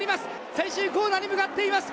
最終コーナーに向かっています。